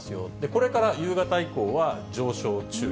これから夕方以降は上昇注意。